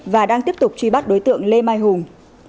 và đang tiếp tục truy bắt đối tượng lê mai hùng